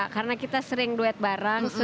karena kita sering duet bareng